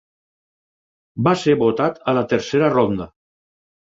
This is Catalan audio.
Va ser votat a la tercera ronda.